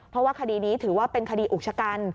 เพราะว่าคดีนี้ถือว่าเป็นคดีอุกชะกัน